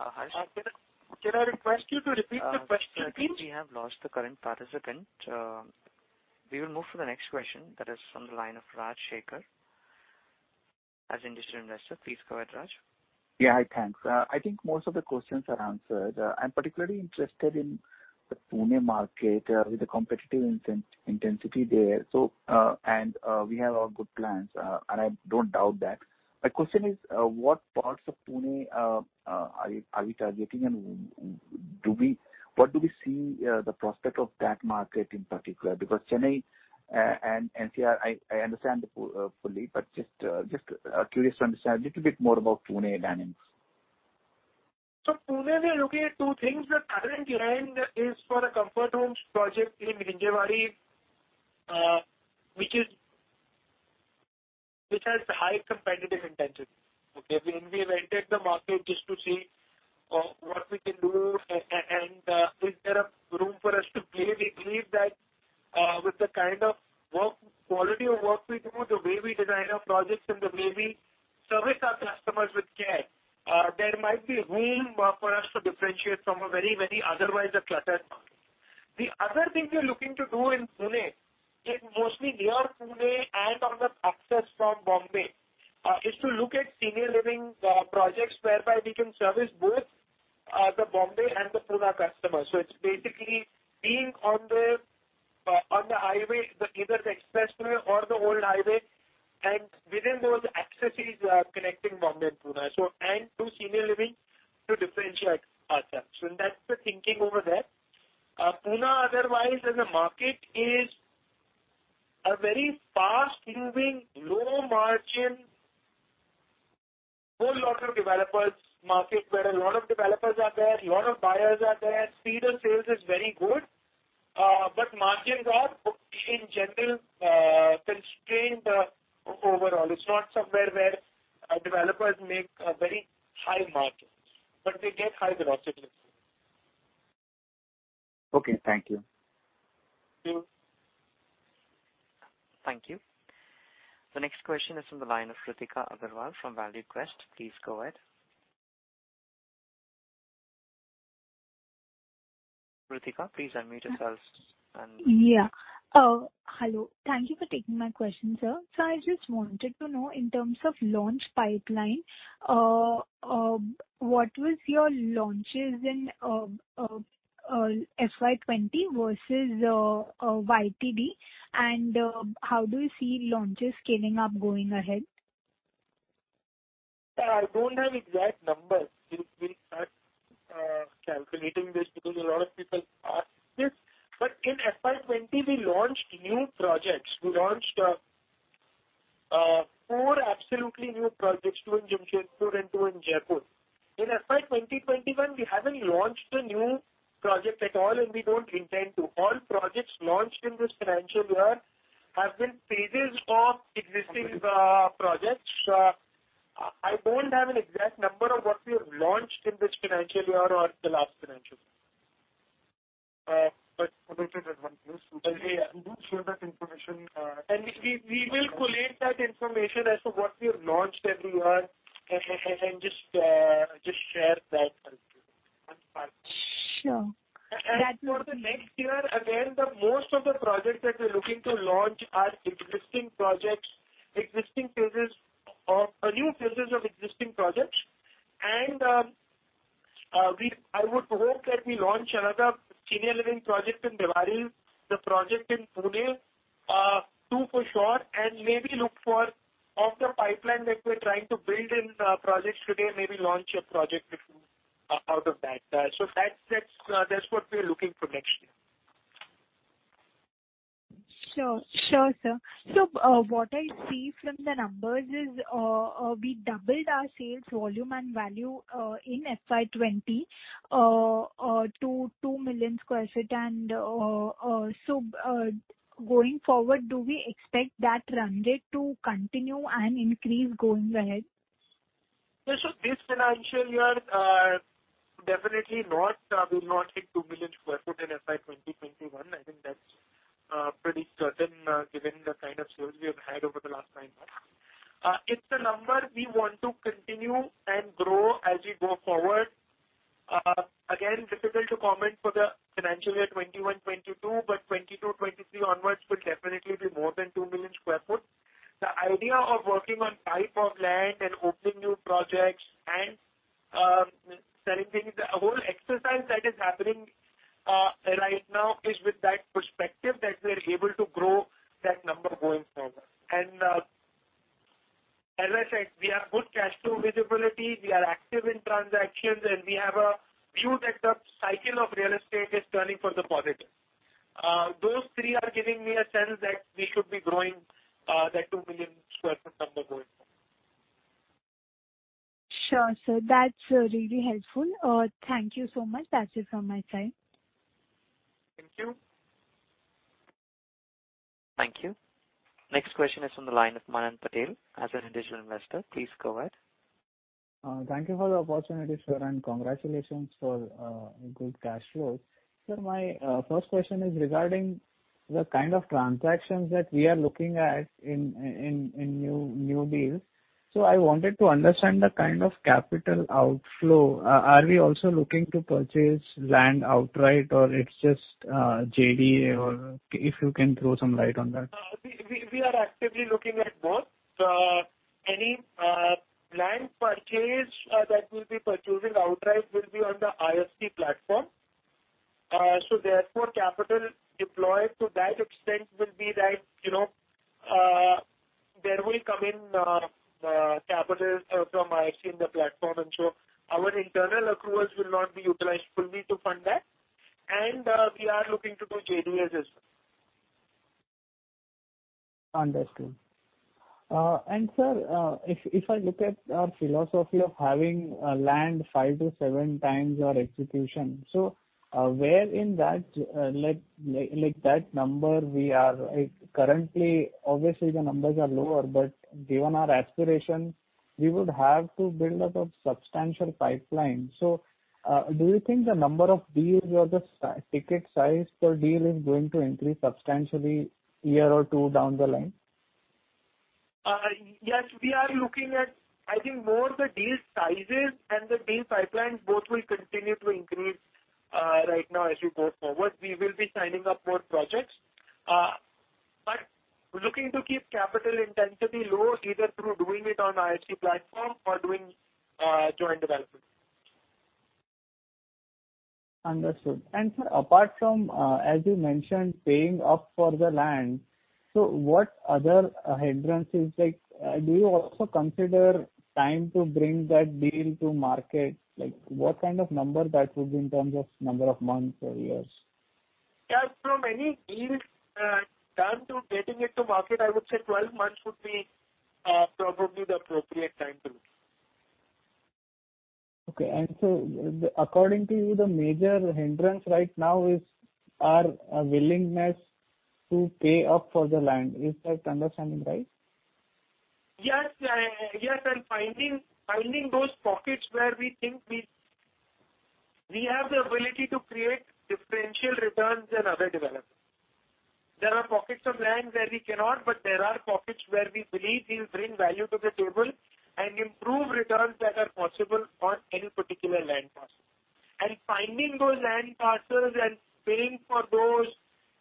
Uh, hi- Can I, can I request you to repeat the question, please? We have lost the current participant. We will move to the next question that is from the line of Raj Shekhar. As an individual investor, please go ahead, Raj. Yeah. Hi, thanks. I think most of the questions are answered. I'm particularly interested in the Pune market, with the competitive intensity there. So, and, we have all good plans, and I don't doubt that. My question is, what parts of Pune are you, are we targeting? And, do we, what do we see, the prospect of that market in particular? Because Chennai, and, and I, I understand the full, fully, but just, just, curious to understand a little bit more about Pune dynamics. So Pune, we are looking at two things. The current land is for a Comfort Homes project in Hinjawadi, which is, which has high competitive intensity. Okay. We entered the market just to see what we can do and, is there a room for us to play? We believe that, with the kind of work, quality of work we do, the way we design our projects and the way we service our customers with care, there might be room for us to differentiate from a very, very otherwise a cluttered market. The other thing we're looking to do in Pune, is mostly near Pune and on the access from Bombay, is to look at Senior Living projects, whereby we can service both, the Bombay and the Pune customers. So it's basically being on the, on the highway, the either the expressway or the old highway, and within those accesses, connecting Bombay and Pune, so, and to senior living to differentiate ourselves. So that's the thinking over there. Pune, otherwise, as a market is a very fast-moving, low margin, whole lot of developers market, where a lot of developers are there, a lot of buyers are there. Speed of sales is very good, but margins are in general, constrained, overall. It's not somewhere where our developers make a very high margin, but they get high velocity. Okay, thank you. Mm-hmm. Thank you. The next question is from the line of Ritika Agarwal from ValueQuest. Please go ahead. Ritika, please unmute yourself and- Yeah. Hello. Thank you for taking my question, sir. So I just wanted to know in terms of launch pipeline, what was your launches in FY 2020 versus YTD, and how do you see launches scaling up going ahead? I don't have exact numbers. We are calculating this because a lot of people ask this. But in FY 2020, we launched new projects. We launched four absolutely new projects, two in Jamshedpur and two in Jaipur. In FY 2021, we haven't launched a new project at all, and we don't intend to. All projects launched in this financial year have been phases of existing projects. I don't have an exact number of what we have launched in this financial year or the last financial year. But- I think that one please. Okay, yeah. We will share that information. And we will collate that information as to what we have launched every year and just share that with you. That's fine. Sure. For the next year, again, the most of the projects that we're looking to launch are existing projects, existing phases of, new phases of existing projects. And, I would hope that we launch another senior living project in Bhiwadi, the project in Pune, two for sure, and maybe look for off the pipeline that we're trying to build in, projects today, maybe launch a project with out of that. So that's, that's, that's what we're looking for next year. Sure. Sure, sir. So, what I see from the numbers is, we doubled our sales volume and value in FY 2020 to 2 million sq ft. So, going forward, do we expect that run rate to continue and increase going ahead? Yeah, so this financial year, definitely not, will not hit 2 million sq ft in FY 2021. I think that's, pretty certain, given the kind of sales we have had over the last nine months. It's a number we want to continue and grow as we go forward. Again, difficult to comment for the financial year 2021, 2022, but 2022, 2023 onwards will definitely be more than 2 million sq ft. The idea of working on type of land and opening new projects and, selling things, the whole exercise that is happening, right now is with that perspective that we're able to grow that number going forward. And, as I said, we have good cash flow visibility, we are active in transactions, and we have a view that the cycle of real estate is turning for the positive. Those three are giving me a sense that we should be growing that 2 million sq ft number going forward. Sure, sir. That's really helpful. Thank you so much. That's it from my side. Thank you. Thank you. Next question is from the line of Manan Patel. As an individual investor, please go ahead. Thank you for the opportunity, sir, and congratulations for good cash flows. Sir, my first question is regarding the kind of transactions that we are looking at in new deals. So I wanted to understand the kind of capital outflow. Are we also looking to purchase land outright, or it's just JDA? Or if you can throw some light on that. We are actively looking at both. Any land purchase that we'll be purchasing outright will be on the IFC platform. So therefore, capital deployed to that extent will be that, you know, there will come in capital from IFC in the platform, and so our internal accruals will not be utilized fully to fund that. We are looking to do JDAs as well. Understood. And sir, if I look at our philosophy of having land 5x-7x our execution, so where in that, like, that number we are? Currently, obviously, the numbers are lower, but given our aspiration, we would have to build up a substantial pipeline. So, do you think the number of deals or the ticket size per deal is going to increase substantially 1 year or 2 down the line? Yes, we are looking at, I think more the deal sizes and the deal pipeline, both will continue to increase, right now as we go forward. We will be signing up more projects, but looking to keep capital intensity low, either through doing it on IFC platform or doing joint development. Understood. And sir, apart from, as you mentioned, paying up for the land, so what other hindrance is like, do you also consider time to bring that deal to market? Like, what kind of number that would be in terms of number of months or years? Yeah, from any deals, time to getting it to market, I would say 12 months would be probably the appropriate time to look. Okay. According to you, the major hindrance right now is our willingness to pay up for the land. Is that understanding right? Yes. Yes, and finding those pockets where we think we have the ability to create differential returns and other developments. There are pockets of land where we cannot, but there are pockets where we believe we'll bring value to the table and improve returns that are possible on any particular land parcel. And finding those land parcels and paying for those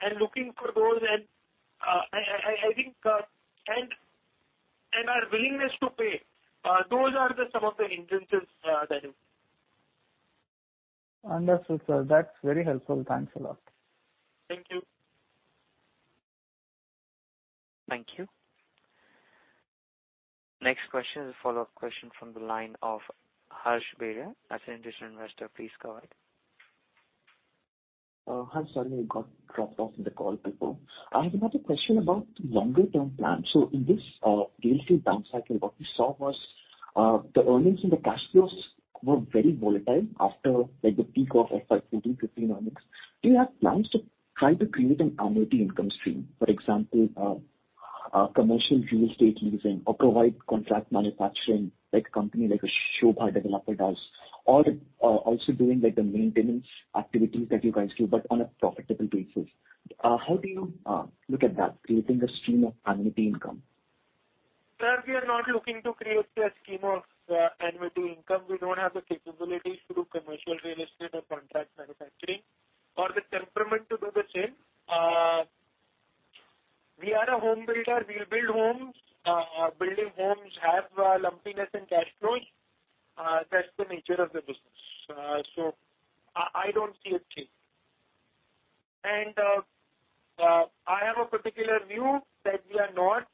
and looking for those, and I think, and our willingness to pay, those are some of the hindrances, that is. Understood, sir. That's very helpful. Thanks a lot. Thank you. Thank you. Next question is a follow-up question from the line of Harsh Beria. As an individual investor, please go ahead. Hi, sorry, I got dropped off in the call before. I have another question about longer-term plan. So in this real estate down cycle, what we saw was the earnings and the cash flows were very volatile after, like, the peak of 2014, 2015 earnings. Do you have plans to try to create an annuity income stream? For example, a commercial real estate leasing or provide contract manufacturing, like company like a Sobha Developer does, or also doing like the maintenance activities that you guys do, but on a profitable basis. How do you look at that, creating a stream of annuity income? Sir, we are not looking to create a scheme of annuity income. We don't have the capabilities to do commercial real estate or contract manufacturing or the temperament to do the same. We are a home builder. We build homes. Building homes have lumpiness and cash flows. That's the nature of the business. So I don't see it changing. I have a particular view that we are not.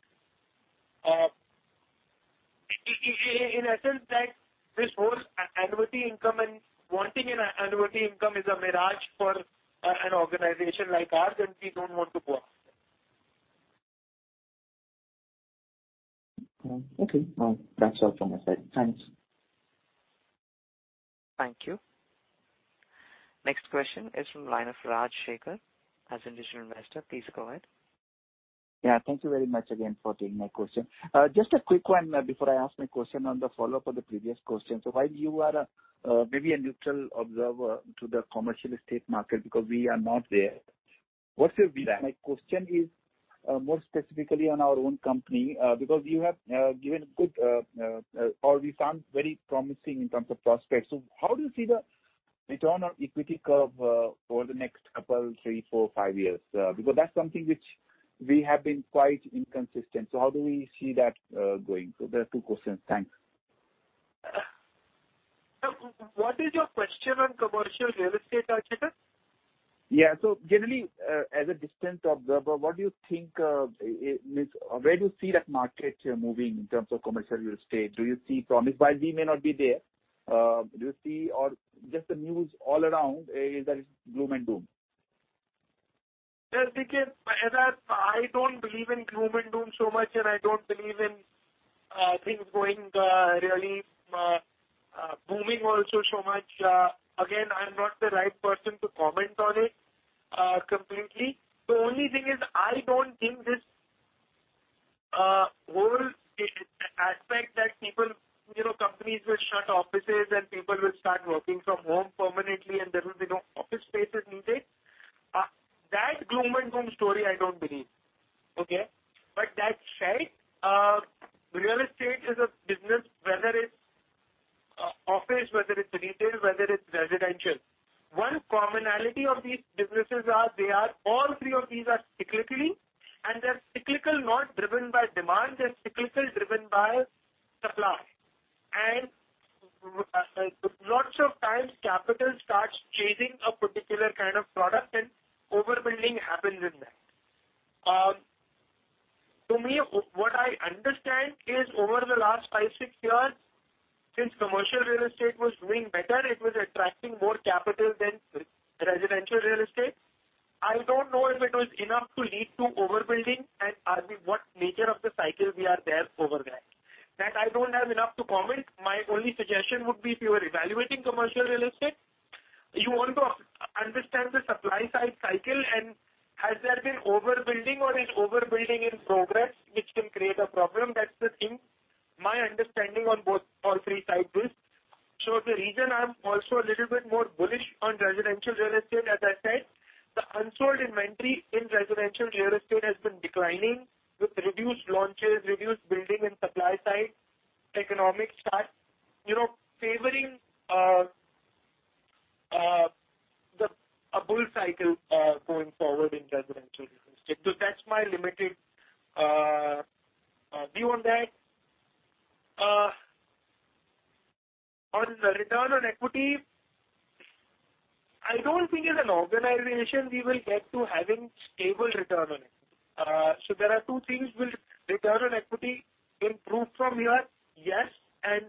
In essence, that this whole annuity income and wanting an annuity income is a mirage for an organization like ours, and we don't want to go out there. Okay. That's all from my side. Thanks. Thank you. Next question is from the line of Raj Shekhar. As an individual investor, please go ahead. Yeah, thank you very much again for taking my question. Just a quick one before I ask my question on the follow-up on the previous question. So while you are, maybe a neutral observer to the commercial estate market, because we are not there, what's your view? My question is, more specifically on our own company, because you have, given a good, or we sound very promising in terms of prospects. So how do you see the return on equity curve, over the next couple, three, four, five years? Because that's something which we have been quite inconsistent. So how do we see that, going? So there are two questions. Thanks. What is your question on commercial real estate, Raj Shekhar? Yeah. So generally, as a distant observer, what do you think, where do you see that market moving in terms of commercial real estate? Do you see promise? While we may not be there, do you see or just the news all around is that it's gloom and doom? Yes, because as I, I don't believe in gloom and doom so much, and I don't believe in, things going, really, booming also so much. Again, I'm not the right person to comment on it, completely. The only thing is, I don't think this, whole aspect that people, you know, companies will shut offices and people will start working from home permanently, and there will be no office spaces needed. That gloom and doom story I don't believe, okay? But that said, real estate is a business, whether it's office, whether it's retail, whether it's residential. One commonality of these businesses are they are all three of these are cyclical, and they're cyclical, not driven by demand. They're cyclical, driven by supply. And, lots of times capital starts chasing a particular kind of product and overbuilding happens in that. To me, what I understand is over the last five, six years, since commercial real estate was doing better, it was attracting more capital than residential real estate. I don't know if it was enough to lead to overbuilding and are we what nature of the cycle we are there over there. That I don't have enough to comment. My only suggestion would be if you are evaluating commercial real estate, you want to understand the supply side cycle and has there been overbuilding or is overbuilding in progress, which can create a problem? That's the thing. My understanding on both, all three sides is. So the reason I'm also a little bit more bullish on residential real estate, as I said, the unsold inventory in residential real estate has been declining with reduced launches, reduced building and supply side. Economic start, you know, favoring the a bull cycle going forward in residential real estate. So that's my limited view on that. On the return on equity, I don't think as an organization we will get to having stable return on it. So there are two things. Will return on equity improve from here? Yes, and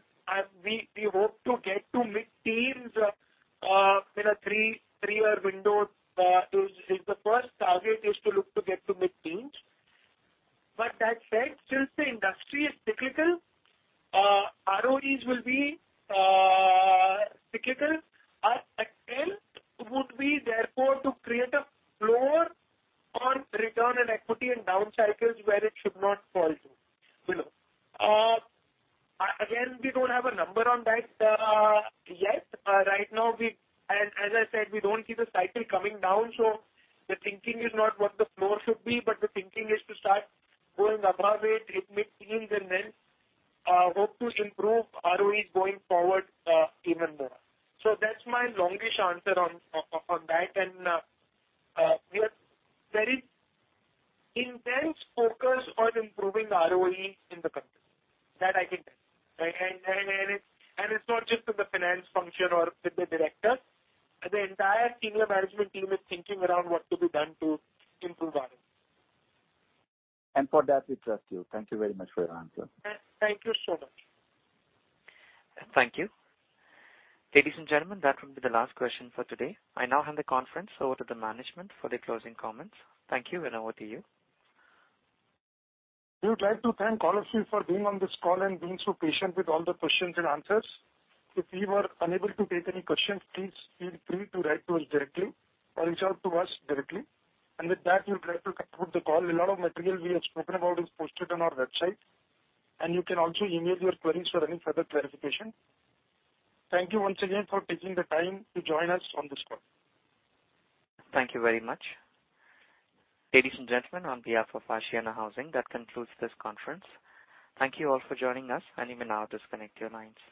Thank you very much. Ladies and gentlemen, on behalf of Ashiana Housing, that concludes this conference. Thank you all for joining us, and you may now disconnect your lines.